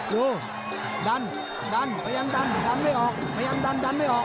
ดูดันดันพยายามดันดันไม่ออกพยายามดันดันไม่ออก